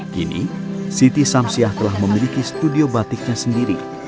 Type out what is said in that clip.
kini siti samsiah telah memiliki studio batiknya sendiri